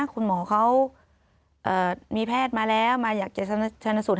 คุณหมอเขามีแพทย์มาแล้วมาอยากจะชนสูตร